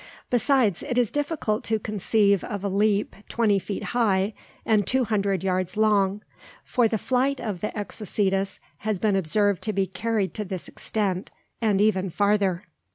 Besides, it is difficult to conceive of a leap twenty feet high and two hundred yards long; for the flight of the Exocetus has been observed to be carried to this extent, and even farther.